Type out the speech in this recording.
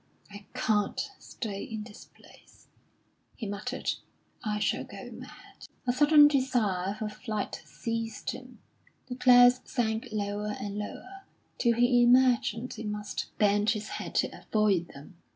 "I can't stay in this place," he muttered. "I shall go mad." A sudden desire for flight seized him. The clouds sank lower and lower, till he imagined he must bend his head to avoid them.